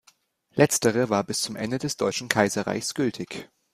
Letztere war bis zum Ende des deutschen Kaiserreichs gültig.